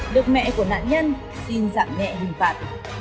được mẹ của nạn nhân xin giảm nhẹ hình phạt